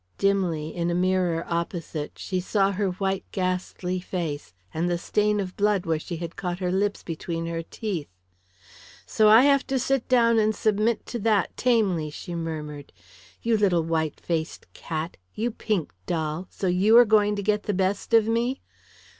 Dimly, in a mirror opposite, she saw her white ghastly face, and the stain of blood where she had caught her lips between her teeth. "So I have to sit down and submit to that tamely," she murmured. "You little white faced cat, you pink doll, so you are going to get the best of me.